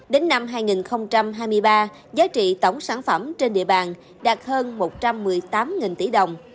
đến năm hai nghìn hai mươi ba giá trị tổng sản phẩm trên địa bàn đạt hơn một trăm một mươi tám tỷ đồng